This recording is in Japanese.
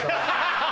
ハハハ！